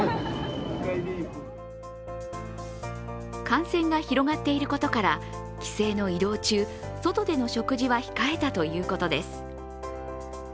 感染が広がっていることから帰省の移動中、外での食事は控えたということです。